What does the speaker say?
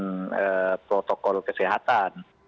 bukan melonggarkan protokol kesehatan